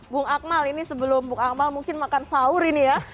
bung akmal ini sebelum bung akmal mungkin makan sahur ini ya